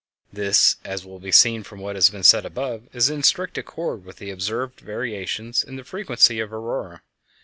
This, as will be seen from what has been said above, is in strict accord with the observed variations in the frequency of auroræ.